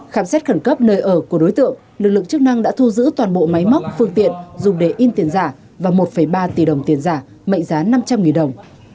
khám xét khẩn cấp nơi ở của đối tượng lực lượng chức năng đã thu giữ toàn bộ máy móc phương tiện dùng để in tiền giả và một ba tỷ đồng tiền giả mệnh giá năm trăm linh đồng